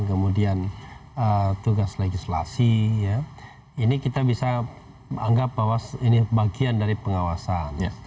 kemudian tugas legislasi ini kita bisa anggap bahwa ini bagian dari pengawasan